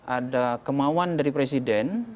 ada kemauan dari presiden